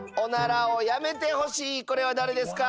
これは誰ですか？